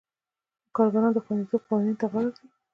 کارګران د خوندیتوب قوانینو ته غاړه ږدي.